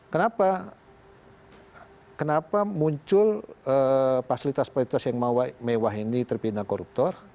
kenapa kenapa muncul fasilitas fasilitas yang mewah ini terpidana koruptor